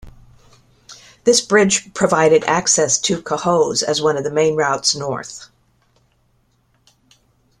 This bridge provided access to Cohoes as one of the main routes north.